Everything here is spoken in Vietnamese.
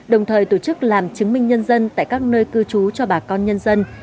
đồng thời tổ chức làm chứng minh nhân dân tại các nơi cư trú cho bà con nhân dân